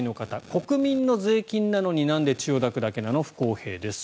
国民の税金なのになんで千代田区だけなの不公平です。